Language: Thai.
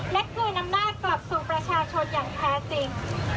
และคืนอำนาจกลับสู่ประชาชนอย่างแท้จริง